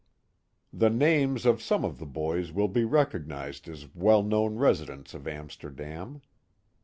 The names of some of the boys rvill be recognized as well known residents of Amsterdam.